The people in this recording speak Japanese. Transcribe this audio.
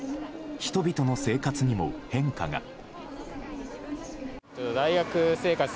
人々の生活にも変化が。